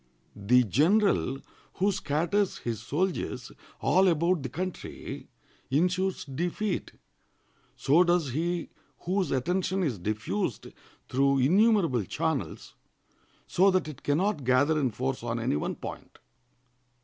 The general who scatters his soldiers all about the country insures defeat; so does he whose attention is diffused through innumerable channels, so that it can not gather in force on any one point.